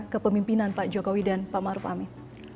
kepemimpinan pak jokowi dan pak maruf amin